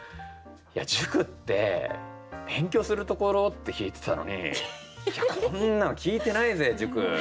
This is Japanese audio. いや塾って勉強するところって聞いてたのにこんなの聞いてないぜ塾。